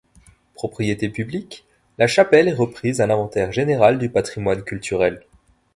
Propriété publique, la chapelle est reprise à l'Inventaire général du patrimoine culturel.